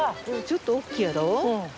ちょっと大きいやろ？